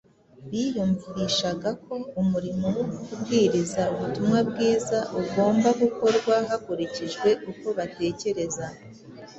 Biyumvishaga ko umurimo wo kubwiriza ubutumwa bwiza ugomba gukorwa hakurikijwe uko batekereza.